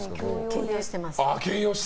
兼用してます。